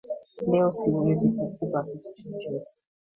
Leo Siwezi kukupa kitu chochote